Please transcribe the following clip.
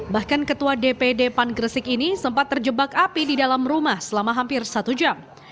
bahkan ketua dpd pan gresik ini sempat terjebak api di dalam rumah selama hampir satu jam